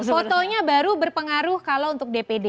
fotonya baru berpengaruh kalau untuk dpd